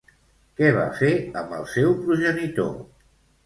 Què va fer amb el seu progenitor?